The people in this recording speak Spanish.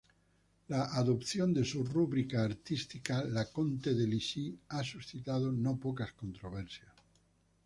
La adopción de su rúbrica artística, Leconte de Lisle, ha suscitado no pocas controversias.